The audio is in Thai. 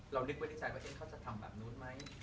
นึกไว้ในใจว่าเขาจะทำแบบนู้นไหม